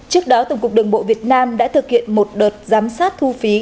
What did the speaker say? trước đó tổng cục đường bộ việt nam đã thực hiện một đợt giám sát thu phí